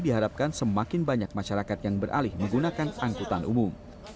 diharapkan semakin banyak masyarakat yang beralih menggunakan angkutan umum